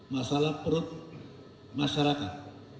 masalah perut masyarakat